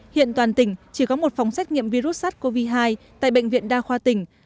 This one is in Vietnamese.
hiện toàn tỉnh chỉ có một phòng xét nghiệm virus sars cov hai tại bệnh viện đa khoa tỉnh